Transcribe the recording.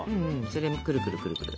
それをくるくるくるくる。